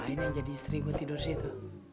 ini jadi istri gue tidur situ